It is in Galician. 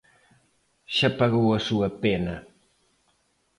Xa pagou a súa pena.